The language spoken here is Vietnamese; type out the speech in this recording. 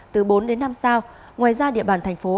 từ bốn đến năm sao ngoài ra địa bàn thành phố